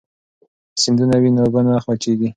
که سیندونه وي نو اوبه نه وچېږي.